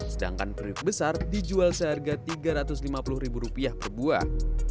sedangkan periuk besar dijual seharga rp tiga ratus lima puluh per buah